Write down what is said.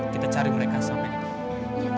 kita cari mereka sampai di depan